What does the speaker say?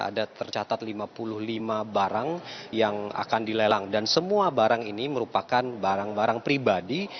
ada tercatat lima puluh lima barang yang akan dilelang dan semua barang ini merupakan barang barang pribadi